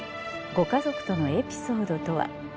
ご家族とのエピソードとは？